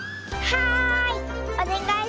はい！